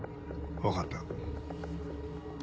分かった。